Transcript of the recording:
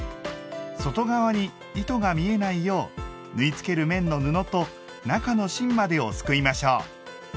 外側に糸が見えないよう縫いつける面の布と中の芯までをすくいましょう。